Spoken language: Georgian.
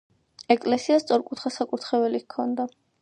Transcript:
ეკლესიას სწორკუთხა საკურთხეველი ჰქონდა.